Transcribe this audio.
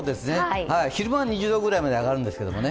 昼間は２０度くらいまで上がるんですけどね。